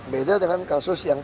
beda dengan kasus yang